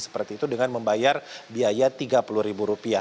seperti itu dengan membayar biaya rp tiga puluh